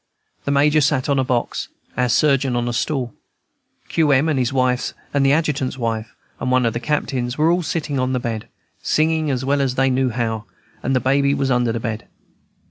The Major sat on a box, our surgeon on a stool; "Q. M." and his wife, and the Adjutant's wife, and one of the captains, were all sitting on the bed, singing as well as they knew how; and the baby was under the bed.